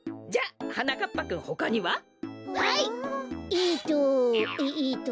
えっとえっと。